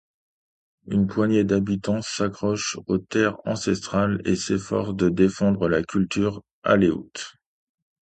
Une poignée d'habitants s'accrochent aux terres ancestrales et s'efforcent de défendre la culture aléoute.